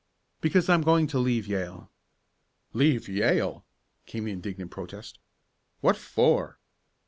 "Because I'm going to leave Yale!" "Leave Yale!" came the indignant protest. "What for?"